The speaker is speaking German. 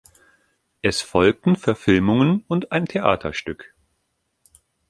Es folgten Verfilmungen und ein Theaterstück.